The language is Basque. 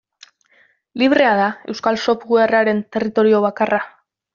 Librea da euskal softwarearen territorio bakarra.